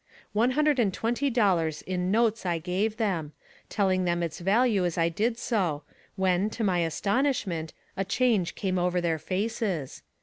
One hundred and twenty dollars in notes I gave them, telling them its value as I did so, when, to my astonishment, a change came over their faces.